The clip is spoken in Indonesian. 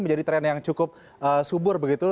menjadi tren yang cukup subur begitu